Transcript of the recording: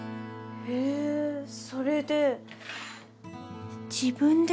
へえそれで。